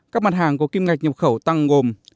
các mặt hàng có kim ngạch nhập khẩu tăng gồm